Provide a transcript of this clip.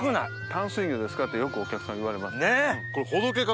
「淡水魚ですか」ってよくお客さんに言われますもん。